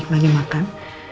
banyak yang makan